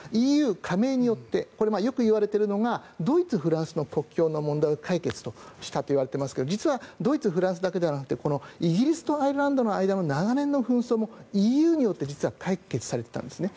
ＥＵ加盟によってよく言われているのがドイツ、フランスの国境の問題を解決したといわれていますが実はドイツ、フランスだけじゃなくてイギリスとアイルランドの間の長年の紛争もＥＵによって解決されていたんですね。